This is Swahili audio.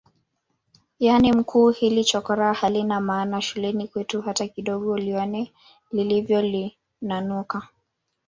Yani mkuu hili chokoraa halina maana shuleni kwetu hata kidogo lione lilivyolinanuka